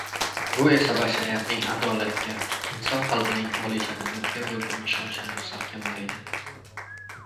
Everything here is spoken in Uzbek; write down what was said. bu esa bashariyatning adolatga, inson qalbining olijanobligiga bo‘lgan ishonchini mustahkamlaydi